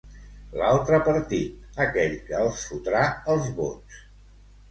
L'altre partit, aquell que els "fotrà" els vots.